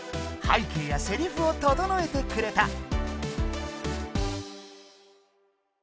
背景やセリフを整えてくれた！